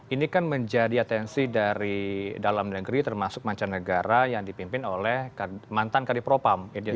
ini kan menjadi atensi dari dalam negeri termasuk mancanegara yang dipimpin oleh mantan kadipropam